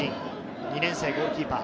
２年生ゴールキーパー。